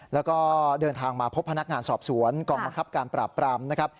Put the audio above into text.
แล้วก็เดินทางมาพบพนักงานสอบสวนกองบังคับการปราบปรามนะครับ